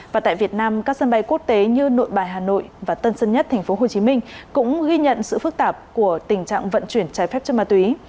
và tại việt nam các sân bay quốc tế như nội bài hà nội và tân sân nhất tp hcm cũng ghi nhận sự phức tạp của tình trạng vận chuyển trái phép chân ma túy